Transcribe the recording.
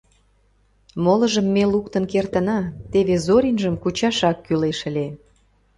— Молыжым ме луктын кертына, теве Зоринжым кучашак кӱлеш ыле.